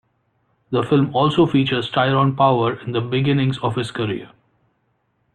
The film also features Tyrone Power in the beginnings of his career.